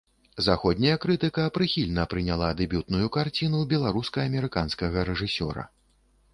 Заходняя крытыка прыхільна прыняла дэбютную карціну беларуска-амерыканскага рэжысёра.